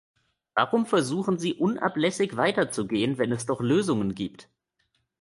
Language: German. Warum versuchen sie unablässig weiterzugehen, wenn es doch Lösungen gibt?